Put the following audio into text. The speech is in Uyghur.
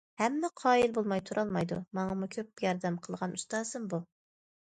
ھەممە قايىل بولماي تۇرالمايدۇ، ماڭىمۇ كۆپ ياردەم قىلغان ئۇستازىم بۇ.